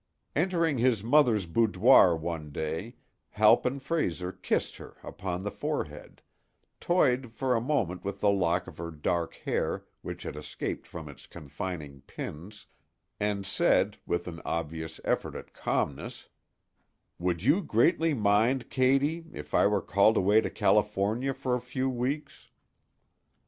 Entering his mother's boudoir one day Halpin Frayser kissed her upon the forehead, toyed for a moment with a lock of her dark hair which had escaped from its confining pins, and said, with an obvious effort at calmness: "Would you greatly mind, Katy, if I were called away to California for a few weeks?"